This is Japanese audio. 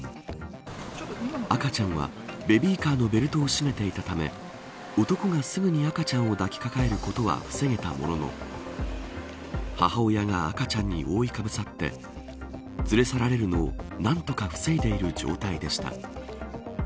赤ちゃんはベビーカーのベルトを締めていたため男がすぐに赤ちゃんを抱き抱えることは防げたものの母親が赤ちゃんに覆いかぶさって連れ去られるのを何とか防いでいる状態でした。